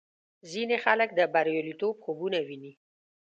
ځینې خلک د بریالیتوب خوبونه ویني.